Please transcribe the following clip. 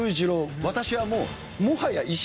私はもう。